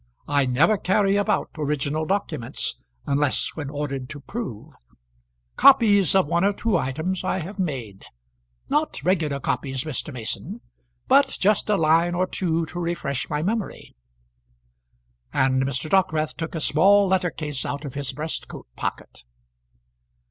I never carry about original documents unless when ordered to prove. Copies of one or two items I have made; not regular copies, Mr. Mason, but just a line or two to refresh my memory." And Mr. Dockwrath took a small letter case out of his breast coat pocket.